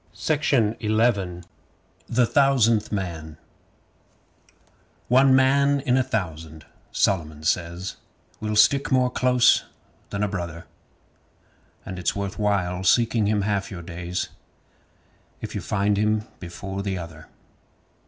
SIMPLE SIMON The Thousandth Man One man in a thousand, Solomon says, Will stick more close than a brother. And it's worth while seeking him half your days If you find him before the other.